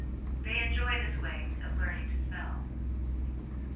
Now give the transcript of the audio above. They enjoy this way of learning to spell.